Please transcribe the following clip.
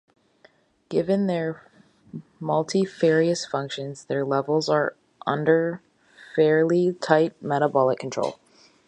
Given their multifarious functions, their levels are under fairly tight metabolic control.